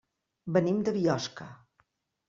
Venim de Biosca.